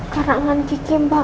karangan kiki mbak